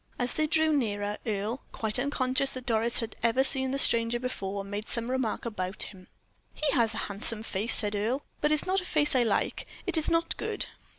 As they drew nearer, Earle, quite unconscious that Doris had ever seen the stranger before, made some remark about him. "He has a handsome face," said Earle, "but it is not a face I like; it is not good."